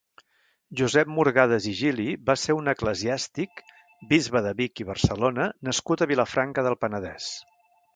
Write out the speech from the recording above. Josep Morgades i Gili va ser un eclesiàstic, bisbe de Vic i Barcelona nascut a Vilafranca del Penedès.